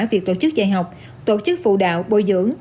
việc tổ chức dạy học tổ chức phụ đạo bồi dưỡng